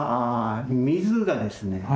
水がですね